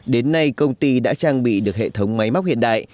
đến nay công ty đã trang bị được hệ thống máy móc hiện đại